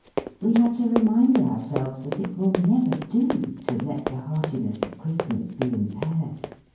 We have to remind ourselves that "it will never do" to let the hearti ness of Christmas be impaired.